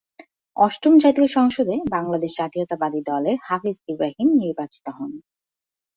অষ্টম জাতীয় সংসদ এ বাংলাদেশ জাতীয়তাবাদী দল এর হাফিজ ইব্রাহিম নির্বাচিত হন।